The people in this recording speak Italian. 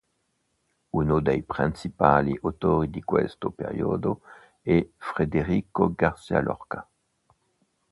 Uno dei principali autori di questo periodo è Federico García Lorca.